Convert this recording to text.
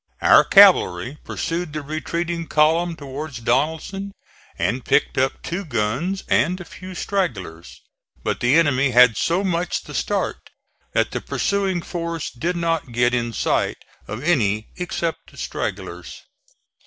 Our cavalry pursued the retreating column towards Donelson and picked up two guns and a few stragglers; but the enemy had so much the start, that the pursuing force did not get in sight of any except the stragglers.